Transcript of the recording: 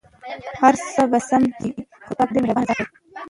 هرڅه به سم شې٬ خدای پاک ډېر مهربان ذات دی.